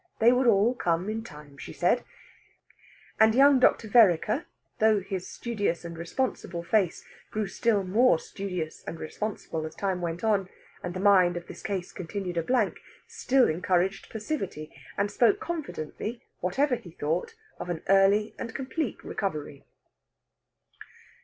They would all come in time, she said; and young Dr. Vereker, though his studious and responsible face grew still more studious and responsible as time went on, and the mind of this case continued a blank, still encouraged passivity, and spoke confidently whatever he thought of an early and complete recovery.